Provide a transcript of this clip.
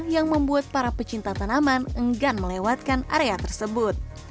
yang membuat para pecinta tanaman enggan melewatkan area tersebut